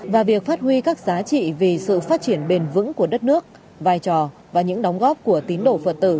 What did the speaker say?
và việc phát huy các giá trị vì sự phát triển bền vững của đất nước vai trò và những đóng góp của tín đồ phật tử